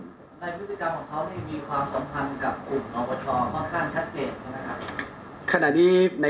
ในพฤติกรรมของเขามีความสัมพันธ์กับกลุ่มของบทช